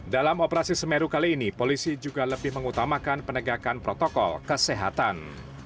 dalam operasi semeru kali ini polisi juga lebih mengutamakan penegakan protokol kesehatan